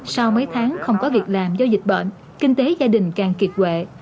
sau mấy tháng không có việc làm do dịch bệnh kinh tế gia đình càng kiệt quệ